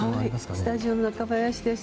スタジオの中林です。